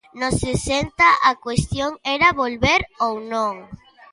Nos sesenta a cuestión era volver ou non.